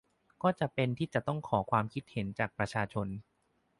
ก็จะเป็นที่จะต้องขอความคิดเห็นจากประชาชน